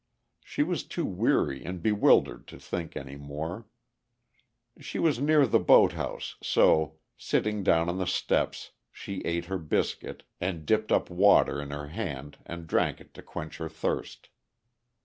She was too weary and bewildered to think any more. She was near the boat house, so, sitting down on the steps, she ate her biscuit, and dipped up water in her hand and drank it to quench her thirst.